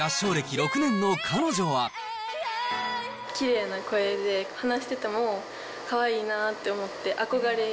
きれいな声で、話し方もかわいいなって思って、憧れ。